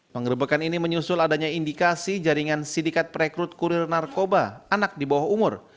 pengerebekan ini menyusul adanya indikasi jaringan sidikat perekrut kurir narkoba anak di bawah umur